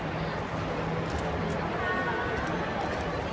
รอยยักษ์จริงมีสาย